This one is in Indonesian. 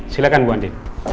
silahkan bu andi